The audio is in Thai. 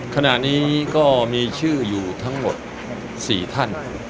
ขณะนี้ก็มีชื่ออยู่ทั้งหมด๔ท่าน